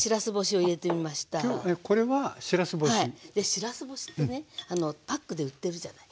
しらす干しってねパックで売ってるじゃない。